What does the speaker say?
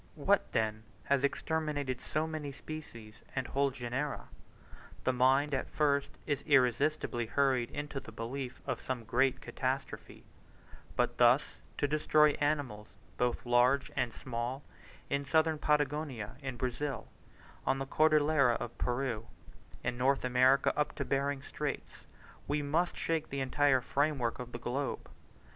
What, then, has exterminated so many species and whole genera? The mind at first is irresistibly hurried into the belief of some great catastrophe; but thus to destroy animals, both large and small, in Southern Patagonia, in Brazil, on the Cordillera of Peru, in North America up to Behring's Straits, we must shake the entire framework of the globe.